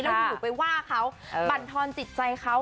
แล้วอยู่ไปว่าเขาบรรทอนจิตใจเขา